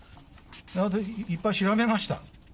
私、いっぱい調べました。